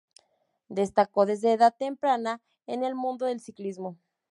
Destacó desde edad temprana en el mundo del ciclismo.